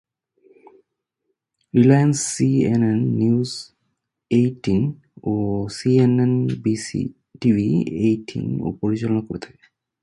Reliance "CNN News eighteen" ও "সিএনবিসি-টিভিএইটিন"ও পরিচালনা করে থাকে।